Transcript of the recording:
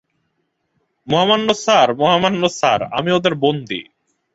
মহামান্য স্যার-- মহামান্য স্যার, আমি ওদের বন্দী!